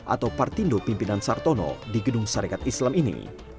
atau partindo pimpinan sartono di gedung sarekat islam ini